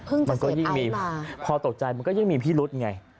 มันก็ยิ่งมีพอตกใจมันก็ยิ่งมีพิรุษไง